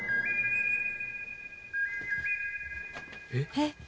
えっ。